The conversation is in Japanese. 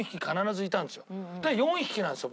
だから４匹なんですよ